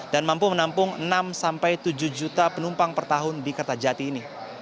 mampu menampung enam sampai tujuh juta penumpang per tahun di kertajati ini